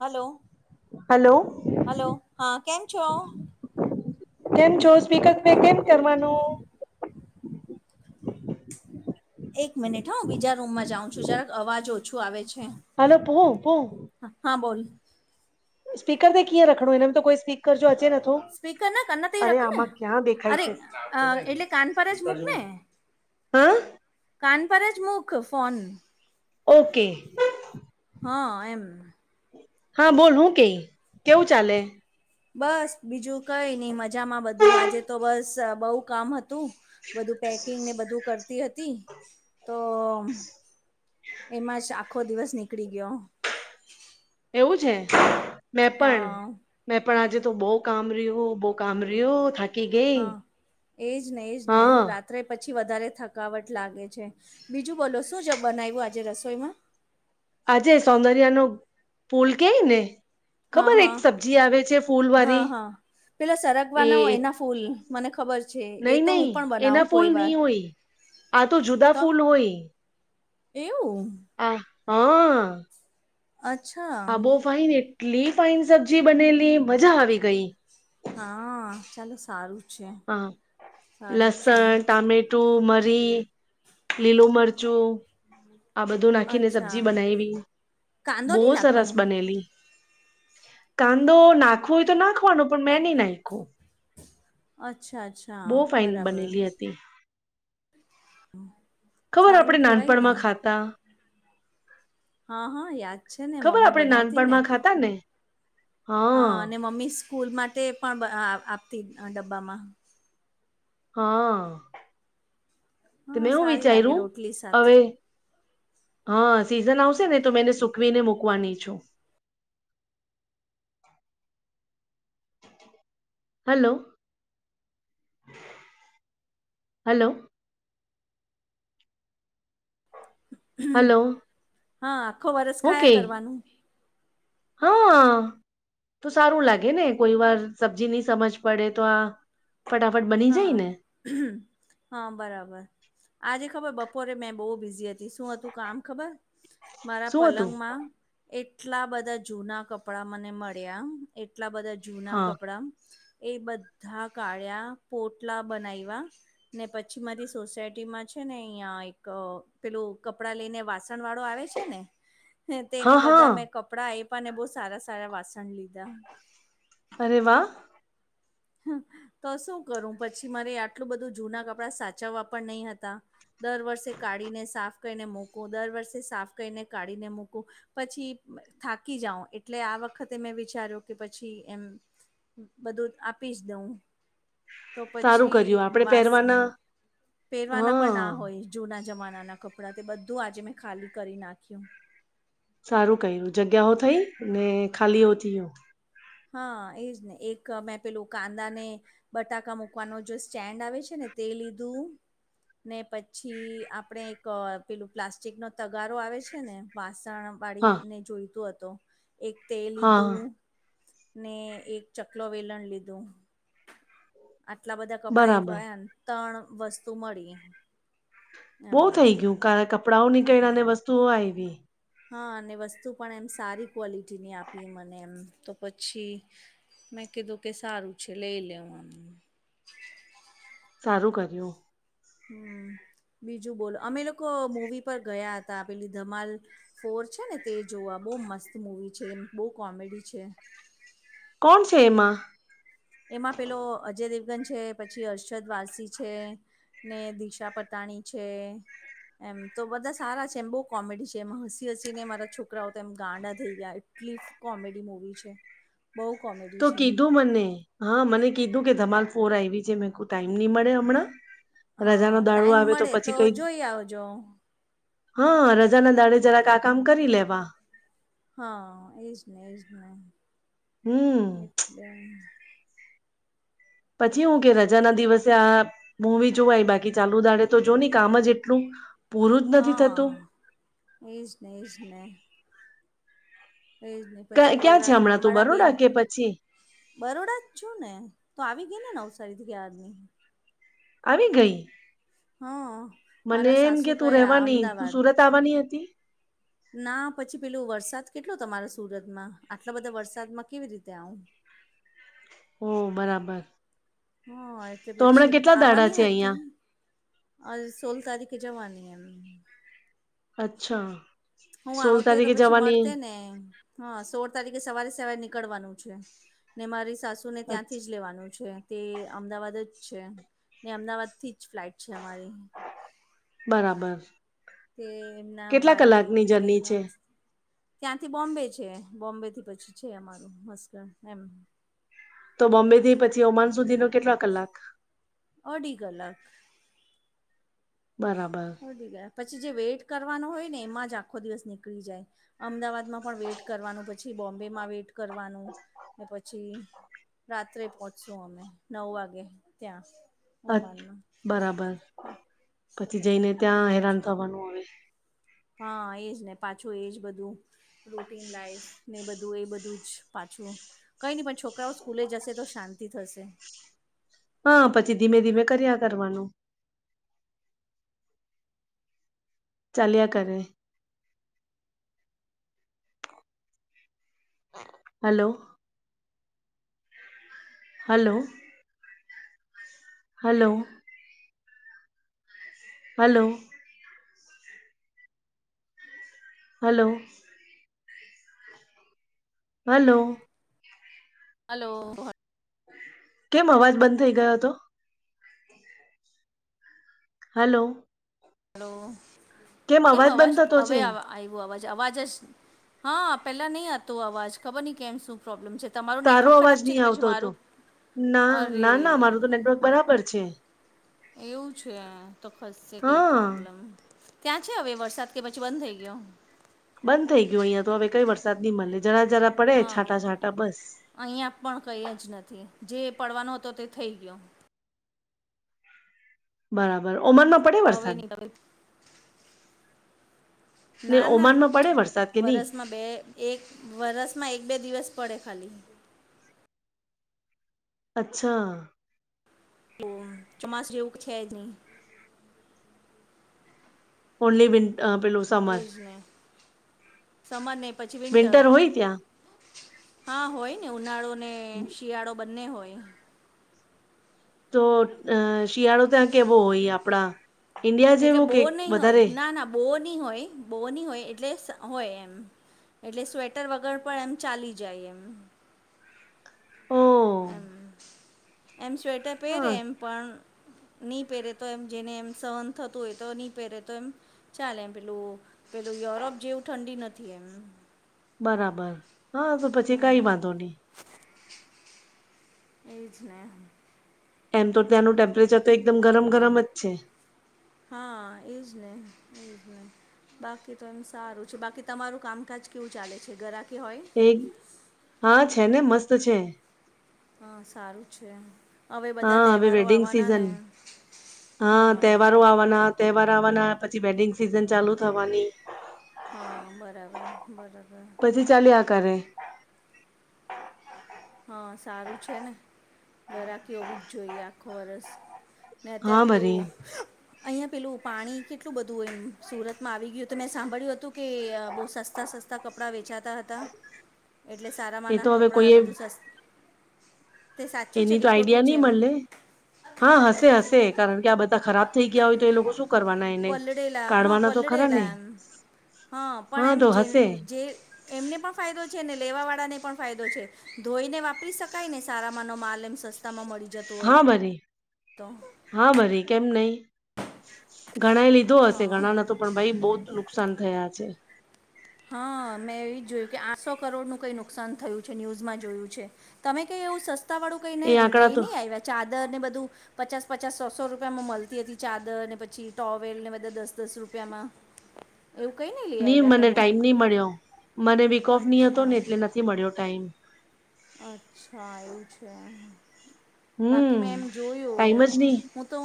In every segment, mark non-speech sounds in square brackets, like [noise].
Hello. Hello. Hello હા કેમ છો? કેમ છો? સ્પીકર તે કેમ કરવાનું? એક મિનિટ હો હું બીજા રૂમમાં જાઉં છું જરાક અવાજ ઓછું આવે છે. હલો પુહુ પુ. હ હા બોલ. સ્પીરથી કીં રખડો એનેમ તો કોઈ સ્પીર જો અચે નથી. સ્પીકર ના કના ત અરે રખ ને આમાં ક્યાં દેખાય અરે છે. અ એટલે કાન પર જ મૂક ને હા. કાન પર જ મુક ફોન. ઓકે. હા એમ. હા બોલ હું કેઈ કેવું ચાલે. બસ બીજું કઈ નહી મજામાં બધું આજે તો બસ બહુ કામ હતું. બધું પેકિંગ ને બધું કરતી હતી. તો એમાં જ આખો દિવસ નીકળી ગયો. એવું છે મે પણ. હા મેં પણ આજે તો બહુ કામ રહ્યું બહુ કામ રહ્યું થાકી ગઈ હા એજ ને એજ ને હા રાત. અત્રે પછી વધારે થકાવટ લાગે છે બીજું બોલો શું જ બનાવ્યું આજે રસોઈમાં. આજે સૌંદર્યા નો પુલ કેય ને. હા ખબર હા એક સબ્જી આવે છે ફૂલ હા વાળી હા પેલા એ સરગવાના હોય એના ફૂલ. મને ખબર છે એ નઈ તો નઈ હું પણ એના બનાવું ફૂલ કોઈ વાર ની હોય આ જુદા તો. ફૂલ હોય એવું. આ હા. અચ્છા. આા બો ફાાઈન એટલી ફાાઈન સબ્જી બનેલી મજા આવી ગઈ. હા ચાલો સારું. છે હા સારું છે લસણ ટમેટ. ટું મરી લીલું મરચું. આ બધું નાખીને અચ્છા સબ્જી બનાવીવી કાંદો બહુ નહીં સરસ નાખવાનું બનેલી. કાંદો નાખવો હોય તો નાખવાનો પણ મેં નહી નાખ્યું. અચ્છા અચ્છા ફાઇન બરાબર. બનેલી હતી ખબર આપણે સારું કેવાય ને. નાનપણમાં ખાતા હા હા યાદ છે ને ખબર મમ્મી આપણે બનાવતી ને નાનપણમાં ખાતા ને હા અને મમ્મી. સ્કૂલ માટે પણ આપતી ડબ્બામાં. હા. તે હા મેં હું સારી લાગે વિચાર્યું રોટલી સાથે હવે. હા સીઝન આવશે ને તો મે એને સુખવી ને મૂકવાની છું. Hello hello. હલો. હા આખો વરસ ઓકે ખાયા કરવાનું. હા. તો સારું લાગે ને કોઈ વાર સબ્જી નહી સમજ પડે તો આ. ફટાફટ બની. જાય હા ને હા બરાબર. આજે ખબર બપોરે મેં બહુ બિઝી હતી શું હતું કામ ખબર મારા શું હતું પલંગમાં. એટલા બધા જૂના કપડા મને મળ્યા એટલા બધા. જૂના હા કપડા એ બધા કાળ્યા પોટલા બનાવવા. ને પછી મારી સોસાયટીમાં છે ને અહિયાં એક પેલું કપડાં લઈ ને વાસણ વાળો આવે. ને તેને હા હા બધા મેં કપડા આપ્યાને બહ સારા સારા વાસણ લીધા. અરે વાહ. તો શું કરું પછી મારે આટલું બધું જૂના કપડા સાચા વાપર નહીં હતા. દર વર્ષે કાઢીને સાફ કરીને મૂકું દર વર્ષે સાફ કરીને કાઢીને મૂકું. પછી થાકી જાઓ એટલે આ વખતે મેં વિચાર્યું કે પછી એમ. બધું આપી જ દઉં. તો સારું પછી કર્યું આપડે વાસ પહેરવાના પહેરવાના પણ ના હા હોય. જૂના જમાનાના કપડાં તે બધું આજે મેં ખાલી કરી નાખ્યું. સારું કર્યું જગ્યાઓ થઈ ને ખાલી હોતી હો. હા એજ ને એક મેં પેલું કાંદા ને. બટાકા મૂકવાનો જે સ્ટેન્ડ આવે છે ને તે લીધું. ને પછી આપણે એક પેલું પ્લાસ્ટિક નો તગારો આવે છે ને વાસણ. હા વાળીને જોઈતું હતો એક તે હા લીધું. ને એક ચકલો વેલણ લીધું. આટલા બધા કપડાં બરાબર એવાને ત્રણ વસ્તુ મળી. બહુ એમ થઈ ગયું કાર કપડાંઓ નીકળ્યાને વસ્તુઓ આવી હા અને વસ્તુ પણ એમ સારી ક્વોલિટીની આપીએ મને એમ તો પછી મેં કીધું કે સારું છે લઈ લેવ અમને સારું કર્યું હમ બીજું બોલો અમે લોકો મુવી પર ગયા હતા પેલી ધમાલ ફોર છે ને તે જોવા બહુ મસ્ત મુવી છે બહુ કોમેડી છે કોણ છે એમાં એમાં પેલો અજય દેવગન છે પછી અર્ષદ વારસી છે ને દિશા પતાણી છે એમ તો બધા સારા છે એમ બહુ કોમેડી છે એમ હસી હસીને મારા છોકરાઓ તો એમ ગાંડા થઈ ગયા એટલી કોમેડી મુવી છે બહુ કોમેડી તો છે કીધું મને હા મને કીધું કે ધમાલ ફોર આવી છે મે કો ટાઈમ નહી મળે હમણાં રાજાનોો હા દાળો ટાઈમ આવે તો મળે પછી કઈ જોઈ આવજો હા રજા ના દાડે જરાક આ કામ કરી લેવા હા એજ ને એજ નહી હમ એટલે પછી હું કે રા ના દિવસે આ મવી જોવાય બાકી ચાલુ દાડે તો જો ને કામ જ એટલું પૂરું જ નથી થતું હા એ જને એ જ ને એ પછી ક્યાં કોઈ ક્યાં છે વાર કામ હમણાં તું વાળા બેન બરોડા કે પછી બરોડા જ છું ને તો આવી ગઈ ને નવસારી થી યાારની આવી ગઈ હા મને મારા એમ સાસુ કે તું ગયા રવાની તું અમદાવાદ સુરત આવવાની હતી ના પછી પેલોું વરસાદ કેટલો તમારા સુરતમાં આટલા બધા વરસાદમાં કેવી રીતે આવું હો બરાબર હા એટલે તો હમણાં પછી કેટલા દાડા આવવાની છે અહિયાં હતી અ સોલ તારીખે જવાની એમ અચ્છા હું સોળ આવતી તો તારીખે પછી જવાની મળતે ને હા સોળ તારીખે સવારે સવારે નીકળવાનું છે ને મારી સાસુ તુંને અચ્છ, ત્યાંથી જ લેવાનું છે તે અમદાવાદ જ છે ને અમદાવાદથી જ ફ્લાઇટ છે અમારી બરાબર તે એમના કેટલા ભાઈ કલાકની જર્ની છે બેનોં ત્યાંથી બોમ્બે છે બોમ્બે થી પછી છે અમારું મસ્ક એમ તો બોમ્બે થી પછી ઓમાન સુધીનોો કેટલા કલાક અઢી ગલ બરાબર ગયા પછી જે વેઇટ કરવાનો હોય ને એમાં જ આખો દિવસ નીકળી જાય અમદાવાદ માં પણ વેઇટ કરવાનું પછી બોમ્બેમાં વેઇટ કરવાનું ને પછી રાત્રે પહોંચશુ અમે નવ વાગે ત્યાં અ ઓમાનમાં બરાબર પછી જઈને ત્યાં એવું જ હેરાન થવાનું હ. હા એ જ ને પાછું એ જ બધું રૂટીન લાઈફ ને બધું એ બધું જ. પાછું કઈ નહી પણ છોકરાઓ સ્કૂલે જશે તો શાંતિ થશે. હા પછી ધીમે ધીમે કર્યા કરવાનું. ચાલ્યા કરે. Hello. Hello. Hello. Hello. Hello. Hello. Hello. કેમ અવાજ બંધ થઈ ગયો હતો. હલો. હલો કેમ અવાજ બંધ થતો હવે છે આ આવું અવાજ અવાજ જ હા પેલા નહી હતો અવાજ ખબર ન કેમ શું. પ્રોબ્લેમ છે તમારું તારો નેટવર્ક અવાજ ખરાબ છે નહી કે પછી આવતો હતો મારું. ના અરે ના ના મામારું તો નેટવર્ક બરાબર છે. એવું છે તો ખસશે કઈ હા પ્રોબ્લેમ. ત્યાં છે હવે વરસાદ કે પછી બંધ થઈ ગયો. બંધ થઈ ગયું અહિયાયા તો હવે કઈ વરસાદ ન મળે જરા જરા પડે હા છાંટા છાંટા બસ. અહીંયા પણ કઈ જ નથી જે પડવાનો હતો તે થઈ ગયો. બરાબર ઓમરમાં. અવે ન ક. [inaudible] ને ના ના ઓમાનમાં પડે વરસાદ કે નહી વરસમાં બે એક વરસમાં એક બે દિવસ પડે ખાલી. અચ્છા. તો ચોમાસું જેવું છે જ નહી. ઓનલી વિ પેલો. [unintelligible] એજ ને સમર ને પછી વિન્ટર. હોય ત્યાં હા હોય ને ઉનાળો ને શિયાળો બંને હોય. તો અ શિયાળો ત્યાં કેવો હોય આપણા. એટલે બો નહી હોય ના ના બો નહી હોય બો નહી હોય એટલે હોય એમ. એટલે સ્વેટર વગર પણ એમ ચાલી જાય એમ. હમ. એમ એમ સ્વેટર પહેરે એમ પણ. નહી પહેરે તો એમ જેને એમ સહન થતું હોય તો નહી પહેરે તો એમ. ચલે એમ પેલું પેલું યુરોપ જેવું ઠંડી નથી એમ. બરાબર હા તો પછી હમ કઈ વાંધો નહી. એજ ને એમ તો ત્યાંનું ટેમ્પરેચર તો એકદમ ગરમ ગરમ જ છે. હા એજ ને બાકી તો એમ સારું છે બાકી તમારું કામકાજ કેવું ચાલે છે ગરાકી હોય. હા છે ને મસ્ત છે. હા સારું છે હવે બધા હા હવે તહેવારો વેડિંગ આવવાના સિઝન ને. હા તહેવારો આવવાના તહેવાર આવવાના પછી વેડિંગ સિઝન ચાલુ થવાની. હા બરાબર બરાબર. ચાલીઆ કરે. હા સારું છે ને. ઘરાકી હોવી જ જોઈએ આખો વરષ ને અત્યારે હા ભરી પેલું. અહીંયા પેલું પાણી કેટલું બધું એમ સુરતમાં આવી ગયું તો મેં સાંભળ્યું હતું. કે બો સસ્તા સસ્તા કપડાં વેચાતા હતા એટલે એ તો સારામાંના હવે કપડા કોઈ બધું સસ્તું એની તો કે ખોટું આઈડિયા છે ની એમ મલે હા હશે હશે કારણ કે આ બધા ખરાબ થઈ ગયા હોય તો એ લોકો શું કરવાના એને પલળેલા હા કાઢવાના તો ખરા ને પલળેલા એમ હા પણ એમ તો જે હશે જે એમને પણ ફાયદો છે ને લેવા વાળા ને પણ ફાયદો છે ધોઈને વાપરી શકાયને સારા માનો માલ એમ સસ્ સસ્તામાં મળી જતો હોય હા બરી તો હા ભરી કેમ નઈ ઘણાએ લીધો હશે હા ઘણા ન તો પણ ભાઈ બોત નુકસાન થયા છે હા મેં એવી જ જોયું કે આઠસો કરોડ નું કઈ નુકસાન થયું છે ન્યૂઝમાં જોયું છે તમે કઈ એવું સસ્તા વાળું કઈ નઈ એ આંકડા લઈ તો નઈ આવ્યા ચાદર ને બધું પચાસ પચાસ સોસો રૂપિયામાં મળતી હતી ચાદર ને પછી ટોવેલ ને બધા દસ દસ રૂપિયામાં [inaudible] એવું કઈ નઈ નઈ મને ટાઈમ નહ મળ્યો મને વીક ઓફ નહ હતો ને અચ્છા એટલે નથી મળ્યો ટાઈમ અચ્છા એવું છે બાકી હમ મેં એમ જોયું ટાઈમ હું જ નહી હું તો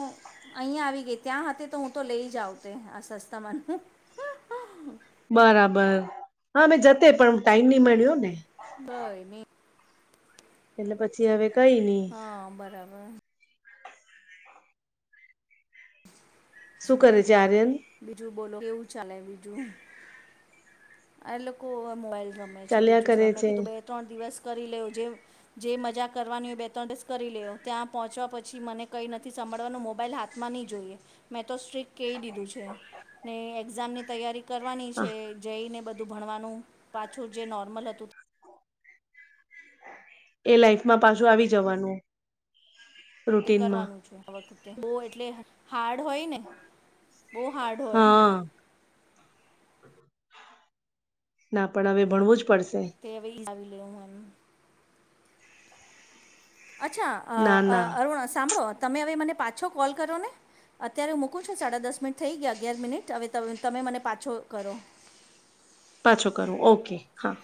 અહીંયા આવી ગઈ ત્યાં હતી તો હું તો લઈ જાઉ તે આ સસ્તામાંનું બરાબર હા મે જતે પણ ટાઈમ નહી મળ્યો ને કઈ ની એટલે પછી હવે કઈ નઈ હા બરાબર હ શું ના કરે છે આર્યન [unintelligible] બીજું બોલો કેવું ચાલે બીજું આ લોકો [unintelligible] મોબાઈલ રમે છે ચાલ્યા બીજું શ કરે મેં છે કધું બે ત્રણ દિવસ કરી લેવ જેવ જે મજા કરવાની બે ત્રણ દસ કરી લ લો્યો ત્યાં પહોંચવા પછી મને કંઈ નથી સાભળવાનો મોબાઈલ હાથ માં નહી જોઈએ મેં તો સ્ટ્રીક કહી દીધું છે ને એક્ઝામની તૈયારી કરવાની છે જઈને બધું ભણવાનું પાછું જે નોર્મલ હતું એ લાઈફમાં પાછું આવી જવાનું તે રૂટીનમાં કરવાનું છે આ વખતે બો એટલે હાર્ડ હોય ને બો હાર્ડ હોય હા ના પણ હવે ભણવું જ પડશે [unintelligible] કેવે લાવી લે હું એમ અચ્છા ના અ ના અરુણ સાંભળો તમે હવે મને પાછો કોલ કરો ને અત્યારે મૂકું છું સાડા દસ મિનિટ થઈ ગયા અગિયાર મિનિટ હવે તમે મને પાછો કરો પાછો કરો ઓકે હા